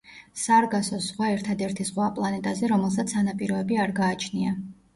სარგასოს ზღვა ერთადერთი „ზღვაა“ პლანეტაზე, რომელსაც სანაპიროები არ გააჩნია.